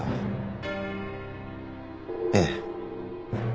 ええ。